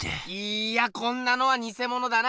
いやこんなのはニセモノだな！